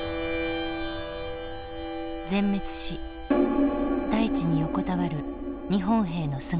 全滅し大地に横たわる日本兵の姿。